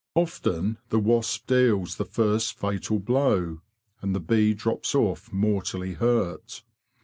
Often the wasp deals the first fatal blow, and the bee drops off mortally hurt.